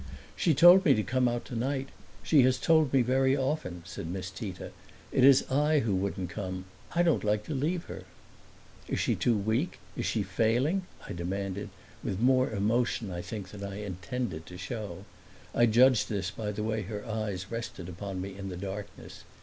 "She told me to come out tonight; she has told me very often," said Miss Tita. "It is I who wouldn't come. I don't like to leave her." "Is she too weak, is she failing?" I demanded, with more emotion, I think, than I intended to show. I judged this by the way her eyes rested upon me in the darkness.